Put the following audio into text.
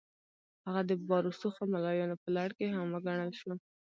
هغه د با رسوخه ملایانو په لړ کې هم وګڼل شو.